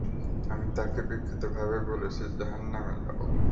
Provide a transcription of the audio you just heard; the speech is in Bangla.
আমি তাকে বিকৃত ভাবে বলেছি, যাহারনামে যাও।